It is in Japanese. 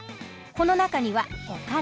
この中にはお金。